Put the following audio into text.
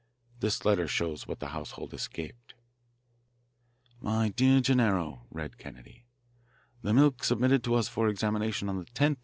This letter shows what the household escaped." "My dear Gennaro," read Kennedy. "The milk submitted to us for examination on the 10th inst.